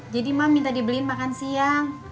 jadi mak minta dibeliin makan siang